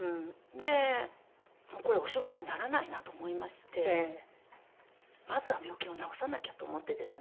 でこれお仕事にならないなと思いましてまずは病気を治さなきゃと思ってですね